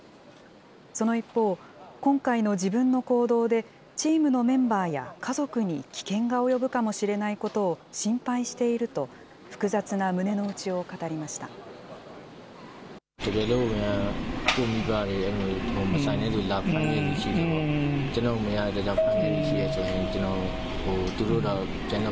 その一方、今回の自分の行動で、チームのメンバーや家族に危険が及ぶかもしれないことを心配していると、複雑な胸を内を語りました。